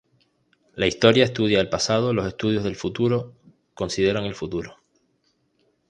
La historia estudia el pasado, los estudios del futuro consideran el futuro.